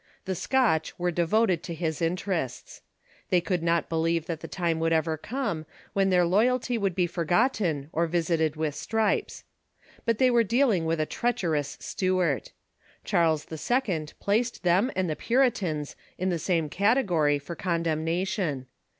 The Scotch were devoted to his interests. They could not believe that ........ the time would ever come when their lovaltv Act of Uniformity ,1,^ ••,•^" n, would be forgotten or visited with stripes. Jbut they were dealing with a treacherous Stuart. Charles II. placed them and the Puritans in the same category for con demnation.